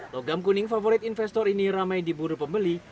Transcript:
logam kuning favorit investor ini ramai diburu pembeli